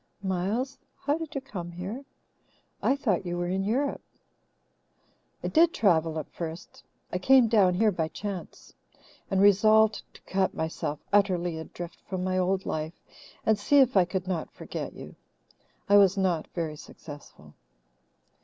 "Miles, how did you come here? I thought you were in Europe." "I did travel at first. I came down here by chance, and resolved to cut myself utterly adrift from my old life and see if I could not forget you. I was not very successful."